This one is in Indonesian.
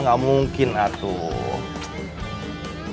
gak mungkin atuh